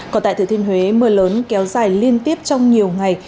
còn tại thời thuyền huế mưa lớn kéo dài liên tiếp trong nhiều ngày